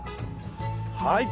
はい。